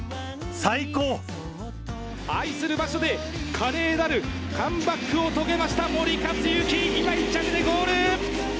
愛する場所で、華麗なるカムバックを遂げました森且行、今、１着でゴール。